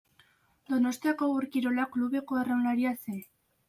Donostiako Ur-Kirolak klubeko arraunlaria zen.